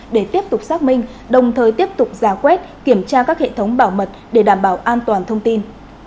để tiếp tục xác minh đồng thời tiếp tục giả quét kiểm tra các hệ thống bảo mật để đảm bảo an toàn thông tin